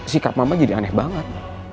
sikap mama jadi aneh banget